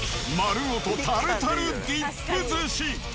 まるごとタルタルディップ寿司。